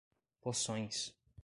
Poções